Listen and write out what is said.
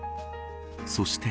そして。